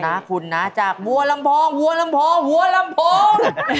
นะคุณนะจากบัวลำพองหัวลำโพงหัวลำโพง